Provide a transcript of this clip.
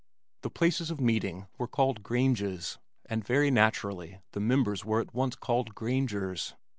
The places of meeting were called "Granges" and very naturally the members were at once called "Grangers."